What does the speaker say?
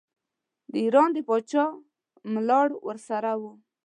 د ایران د پاچا ملاړ ورسره وو.